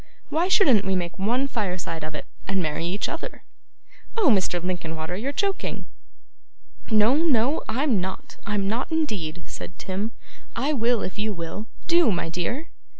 Why shouldn't we make one fireside of it, and marry each other?' 'Oh, Mr. Linkinwater, you're joking!' 'No, no, I'm not. I'm not indeed,' said Tim. 'I will, if you will. Do, my dear!